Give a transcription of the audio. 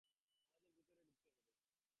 আমাদের ভিতরে ঢুকতে হবে।